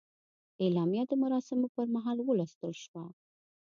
اعلامیه د مراسمو پر مهال ولوستل شوه.